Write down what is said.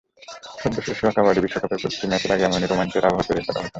সদ্য–শেষ–হওয়া কাবাডি বিশ্বকাপের প্রতিটি ম্যাচের আগে এমনই রোমাঞ্চের আবহ তৈরি করা হতো।